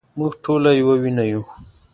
مونږ ټول يوه وينه يو